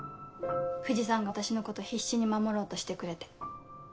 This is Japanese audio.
藤さんが私のこと必死に守ろうとしてくれて。